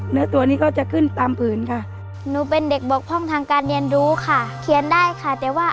เนื้อตัวนี้ก็จะขึ้นตามผื่นค่ะ